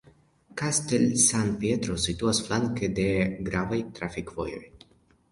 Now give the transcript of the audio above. Castel San Pietro situas flanke de la gravaj trafikvojoj.